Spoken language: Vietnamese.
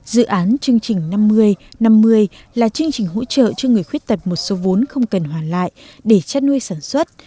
dự án chương trình năm mươi năm mươi là chương trình hỗ trợ cho người khuyết tật một số vốn không cần hoàn lại để chất nuôi sản xuất